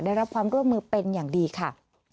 ได้รับความร่วมมือเป็นอย่างดีค่ะ